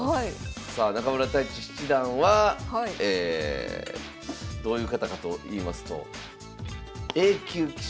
さあ中村太地七段はどういう方かといいますとＡ級棋士。